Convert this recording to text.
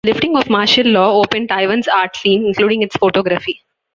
The lifting of martial law opened Taiwan's art scene, including its photography.